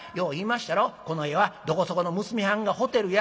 まっしゃろ『この絵はどこそこの娘はんがホテルや」。